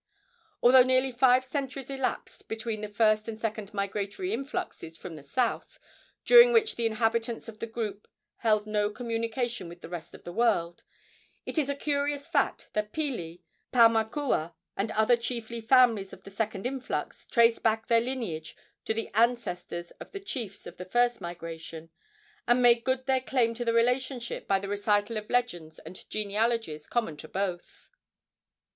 Although nearly five centuries elapsed between the first and second migratory influxes from the south, during which the inhabitants of the group held no communication with the rest of the world, it is a curious fact that the Pili, Paumakua, and other chiefly families of the second influx traced back their lineage to the ancestors of the chiefs of the first migration, and made good their claim to the relationship by the recital of legends and genealogies common to both.